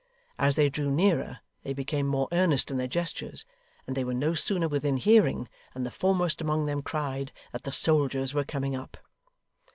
As they drew nearer, they became more earnest in their gestures; and they were no sooner within hearing, than the foremost among them cried that the soldiers were coming up.